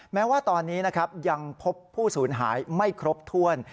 แม้ว่าตอนนี้นะครับยังพบผู้สูญหายไม่ครบถ้วน